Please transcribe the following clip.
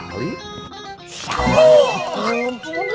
mudiananya kemananya lama sekali